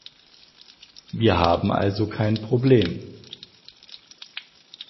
Wir haben also kein Problem.